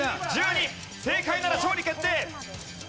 正解なら勝利決定！